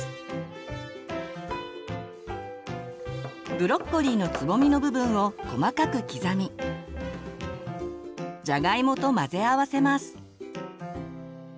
ブロッコリーのつぼみの部分を細かく刻みじゃがいもと混ぜ合わせます。